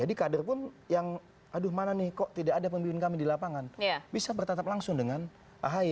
kader pun yang aduh mana nih kok tidak ada pemimpin kami di lapangan bisa bertatap langsung dengan ahy